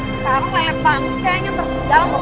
sekarang lelep pancanya terpindah lo tau